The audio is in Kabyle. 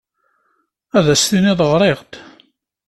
Ad as-tinid ɣriɣ-d?